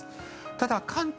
ただ、関東